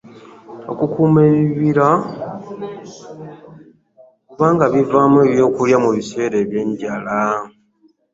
Okukuuma ebibira kubanga bivaamu ebyokulya mu biseera eby’enjala.